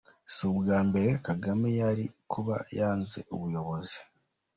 Si ubwa mbere Kagame yari kuba yanze ubuyobozi.